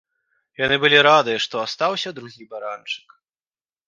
Яны былі рады, што астаўся другі баранчык.